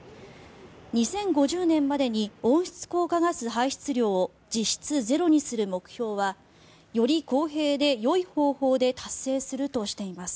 ２０５０年までに温室効果ガス排出量を実質ゼロにする目標はより公平でよい方法で達成するとしています。